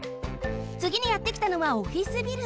つぎにやってきたのはオフィスビル。